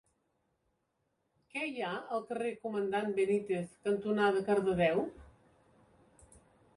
Què hi ha al carrer Comandant Benítez cantonada Cardedeu?